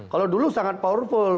kalau dulu sangat powerful